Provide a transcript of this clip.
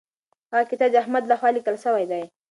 هغه کتاب د احمد لخوا لیکل سوی دی.